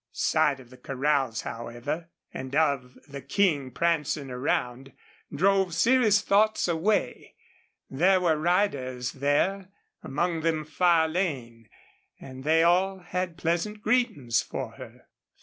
Sight of the corrals, however, and of the King prancing around, drove serious thoughts away. There were riders there, among them Farlane, and they all had pleasant greetings for her.